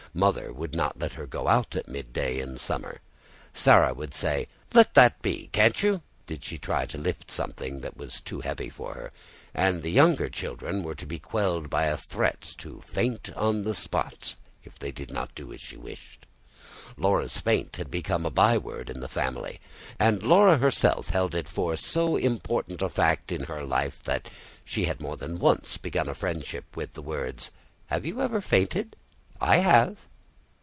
Mother would not let her go out at midday in summer: Sarah would say: "Let that be, can't you!" did she try to lift something that was too heavy for her; and the younger children were to be quelled by a threat to faint on the spot, if they did not do as she wished. "Laura's faint" had become a byword in the family; and Laura herself held it for so important a fact in her life that she had more than once begun a friendship with the words: "Have you ever fainted? I have."